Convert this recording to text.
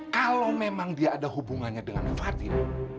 kalau memang dia ada hubungannya dengan fadil